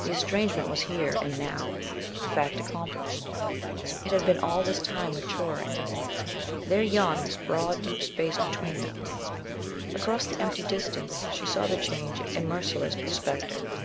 The estrangement was here and now a fact accomplished. It had been all this time maturing; there yawned this broad deep space between them. Across the empty distance she saw the change in merciless perspective.